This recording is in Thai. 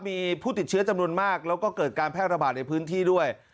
มีผู้ติดเชื้อจำนวนมากแล้วก็เกิดการแพร่ระบาดในพื้นที่ด้วย